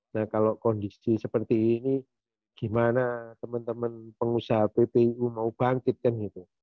nah kalau kondisi seperti ini gimana teman teman pengusaha ppu mau bangkit kan gitu